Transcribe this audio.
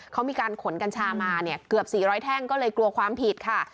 เขามีการขนกัญชามาเนี่ยเกือบ๔๐๐แท่งก็เลยกลัวความผิดค่ะ